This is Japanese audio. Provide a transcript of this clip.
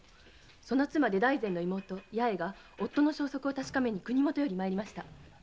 その妻で大膳の妹・八重が夫の消息を確かめに国許より参りました。